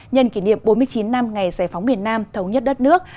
nhân kỷ niệm bốn mươi chín năm ngày giải phóng miền nam thống nhất đất nước